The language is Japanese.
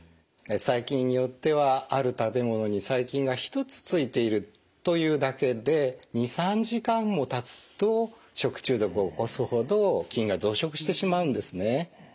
細菌によってはある食べ物に細菌が一つついているというだけで２３時間もたつと食中毒を起こすほど菌が増殖してしまうんですね。